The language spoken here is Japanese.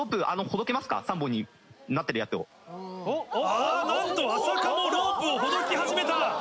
あなんと安積もロープをほどき始めた！